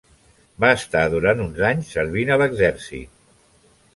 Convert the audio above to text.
Va estar durant uns anys servint a l'exèrcit.